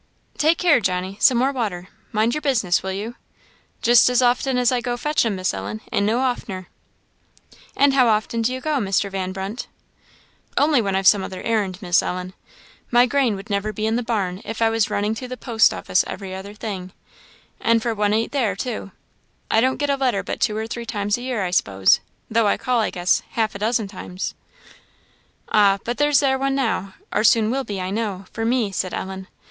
"Take care, Johnny! some more water mind your business, will you? Just as often as I go to fetch 'em, Miss Ellen, and no oftener." "And how often do you go, Mr. Van Brunt?" "Only when I've some other errand Miss Ellen; my grain would never be in the barn if I was running to the post office every other thing and for what ain't there, too. I don't get a letter but two or three times a year I s'pose, though I call I guess half a dozen times." "Ah, but there's one there now, or soon will be, I know, for me," said Ellen.